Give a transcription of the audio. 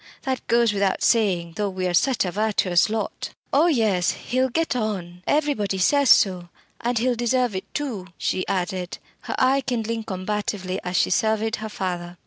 "That goes without saying though we are such a virtuous lot." "Oh yes, he'll get on everybody says so. And he'll deserve it too!" she added, her eye kindling combatively as she surveyed her father.